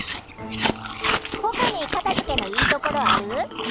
ほかにかたづけのいいところある？